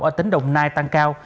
ở tỉnh đồng nai tăng cao